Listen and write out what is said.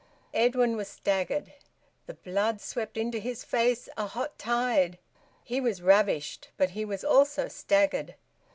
Edwin was staggered. The blood swept into his face, a hot tide. He was ravished, but he was also staggered.